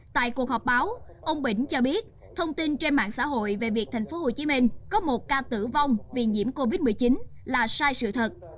tại cuộc họp báo ông bỉnh cho biết thông tin trên mạng xã hội về việc tp hcm có một ca tử vong vì nhiễm covid một mươi chín là sai sự thật